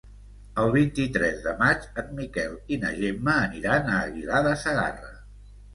El vint-i-tres de maig en Miquel i na Gemma aniran a Aguilar de Segarra.